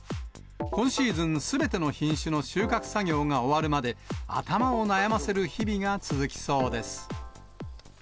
今シーズン、すべての品種の収穫作業が終わるまで、頭を悩ませる日々が続きそうです。